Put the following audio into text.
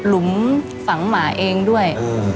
หลุมฝังหมาเองด้วย